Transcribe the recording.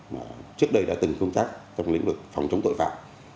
mà trước đây đã từng công tác trong lĩnh vực phòng chống tội phạm